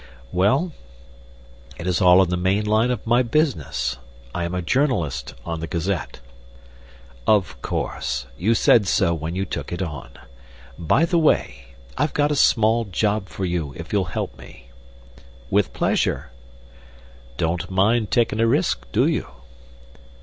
"Well, it is all in the main line of my business. I am a journalist on the Gazette." "Of course you said so when you took it on. By the way, I've got a small job for you, if you'll help me." "With pleasure." "Don't mind takin' a risk, do you?"